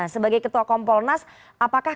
sebagai ketua kompolnas apakah